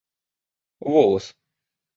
волос